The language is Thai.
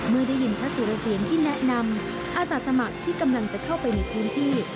เมื่อได้ยินพระสุรเสียงที่แนะนำอาสาสมัครที่กำลังจะเข้าไปในพื้นที่